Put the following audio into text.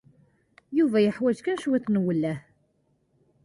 Yuba yeḥwaj kan cwiṭ n uwelleh.